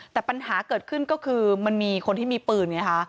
แต่ปัญหาเกิดขึ้นก็คือมันมีคนที่มีปืนไงคะ